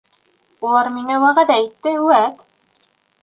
— Улар миңә вәғәҙә итте, үәт!